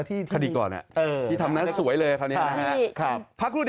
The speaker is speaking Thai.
ที่ทำนั้นสวยเลยคราวนี้นะครับ